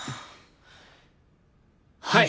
はい！